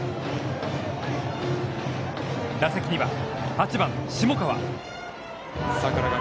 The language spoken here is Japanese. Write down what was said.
打席には、８番、下川。